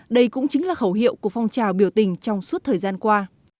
đây cũng chính là khẩu hiệu của phong trào biểu tình trong suốt thời gian qua